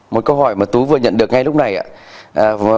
một câu hỏi mà tú vừa nhận được ngay lúc này ạ